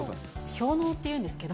氷のうっていうんですけど。